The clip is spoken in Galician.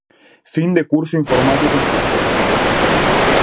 Fin de curso informático en Fisterra.